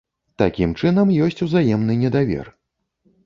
Такім чынам, ёсць узаемны недавер.